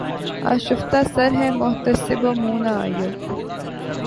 آشفتہ سر ہیں محتسبو منہ نہ آئیو